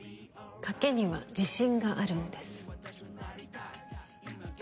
賭けには自信があるんです